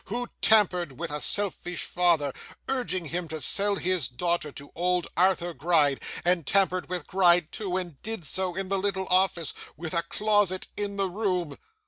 Who tampered with a selfish father, urging him to sell his daughter to old Arthur Gride, and tampered with Gride too, and did so in the little office, WITH A CLOSET IN THE ROOM?